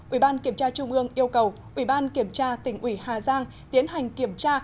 ủy ban kiểm tra trung ương yêu cầu ủy ban kiểm tra tỉnh ủy hà giang tiến hành kiểm tra